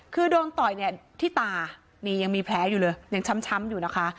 คือโดนต่อยเนี่ยที่ตานี่ยังมีแผลอยู่เลยยังช้ำอยู่นะคะ